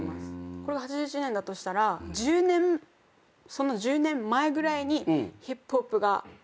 これが８１年だとしたら１０年その１０年前ぐらいにヒップホップが。